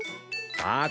あ？